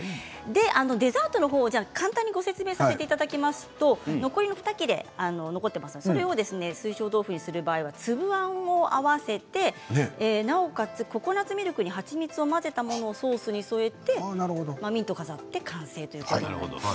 デザートのほうを簡単にご説明させていただきますが残りの２切れ水晶豆腐にする場合は粒あんを合わせてなおかつ、ココナツミルクに蜂蜜を混ぜたものをソースに添えてミントを飾って完成ということです。